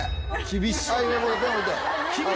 厳しい。